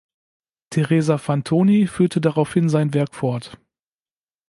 Theresa Fantoni führte daraufhin sein Werk fort.